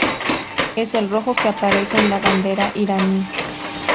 Es el rojo que aparece en la bandera iraní.